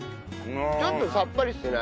ちょっとさっぱりしてない？